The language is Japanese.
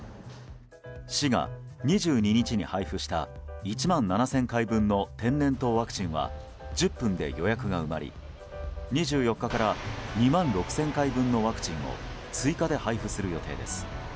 市が２２日に配布した１万７０００回分の天然痘ワクチンは１０分で予約が埋まり２４日から２万６０００回分のワクチンを追加で配布する予定です。